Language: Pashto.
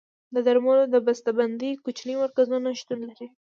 د درملو د بسته بندۍ کوچني مرکزونه شتون لري.